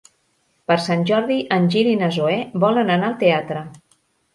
Per Sant Jordi en Gil i na Zoè volen anar al teatre.